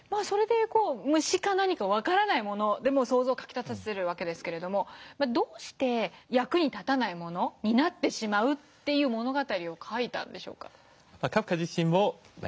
虫か何か分からないもので想像をかきたたせるわけですがどうして役に立たないものになってしまうという物語を書いたんでしょうか？